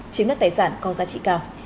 chiếm đất tài sản có giá trị cao